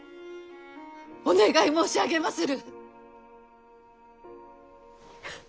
お願い申し上げまする。